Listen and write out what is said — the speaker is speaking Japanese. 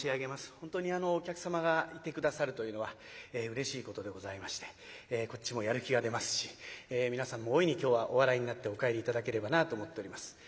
本当にお客様がいて下さるというのはうれしいことでございましてこっちもやる気が出ますし皆さんも大いに今日はお笑いになってお帰り頂ければなぁと思っております。